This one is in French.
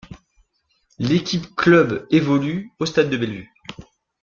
L'équipe club évolue au stade de Bellevue.